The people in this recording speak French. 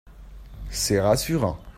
C’est rassurant.